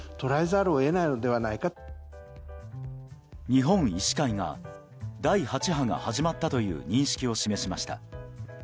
日本医師会が第８波が始まったという認識を示しました。